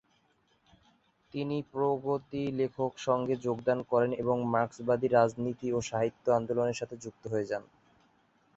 তিনি "প্রগতি লেখক সংঘে" যোগদান করেন এবং মার্ক্সবাদী রাজনীতি ও সাহিত্য আন্দোলনের সাথে যুক্ত হয়ে যান।